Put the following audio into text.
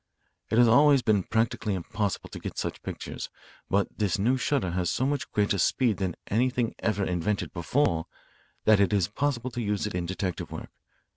"It has always been practically impossible to get such pictures, but this new shutter has so much greater speed than anything ever invented before that it is possible to use it in detective work.